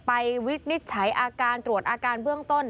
ไปวิกฤตใช้อาการตรวจอาการเบื้องต้น